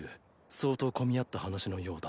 相当込みあった話のようだな。